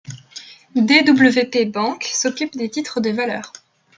Dwpbank s'occupe des titres de valeur.